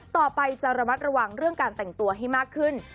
ต่อไปจะระมัดระวังเรื่องการแต่งตัวให้มากขึ้น